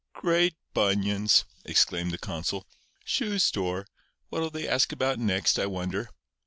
"Great bunions!" exclaimed the consul. "Shoe store! What'll they ask about next, I wonder?